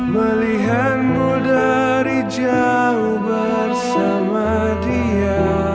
melihatmu dari jauh bersama dia